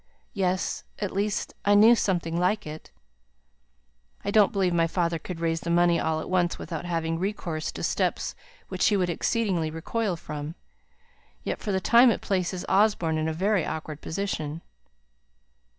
"Yes: at least, I knew something like it." "I don't believe my father could raise the money all at once without having recourse to steps which he would exceedingly recoil from. Yet for the time it places Osborne in a very awkward position."